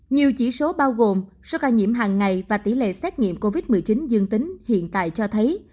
nhiều chỉ số bao gồm số ca nhiễm hàng ngày và tỷ lệ xét nghiệm covid một mươi chín dương tính hiện tại cho thấy